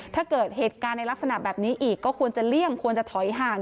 ถ้าเกิดเหตุการณ์ในลักษณะแบบนี้อีกก็ควรจะเลี่ยงควรจะถอยห่าง